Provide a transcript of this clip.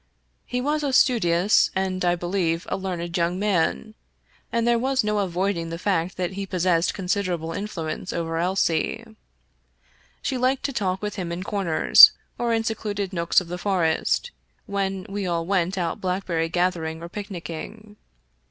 He was a studious and, I believe, a learned young man, and there was no avoiding the fact that he possessed considerable influence over Elsie. She liked to talk with him in corners, or in secluded nooks of the forest, when we all went out blackberry gathering or picnicking.